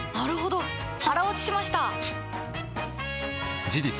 腹落ちしました！